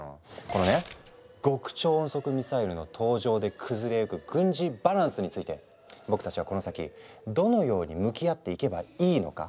このね極超音速ミサイルの登場で崩れゆく軍事バランスについて僕たちはこの先どのように向き合っていけばいいのか？